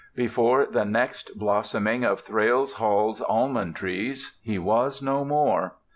Before the next blossoming of Thrale Hall's almond trees he was no more.